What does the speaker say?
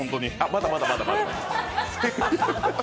まだまだまだまだ。